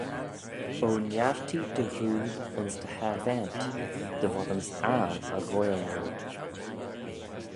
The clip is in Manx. O niartee dty ghoo ayns dty harvaant: dy voddyms aggle y ghoaill royd.